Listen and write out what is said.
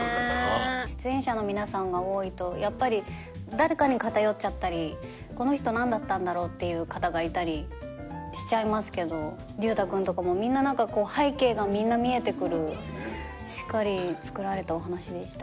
出演者の皆さんが多いとやっぱり誰かに偏っちゃったりこの人なんだったんだろう？っていう方がいたりしちゃいますけど隆太くんとかもみんな背景がみんな見えてくるしっかり作られたお話でした。